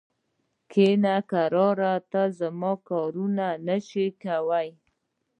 کښینه کرار! ته زما کارونه نه سې کولای.